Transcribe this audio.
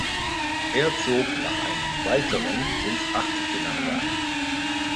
Er zog nach einem weiteren ins Achtelfinale ein.